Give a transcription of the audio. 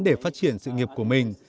để phát triển sự nghiệp của mình